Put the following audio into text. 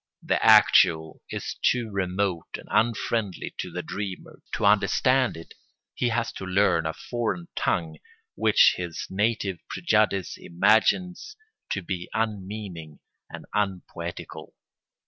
The actual is too remote and unfriendly to the dreamer; to understand it he has to learn a foreign tongue, which his native prejudice imagines to be unmeaning and unpoetical.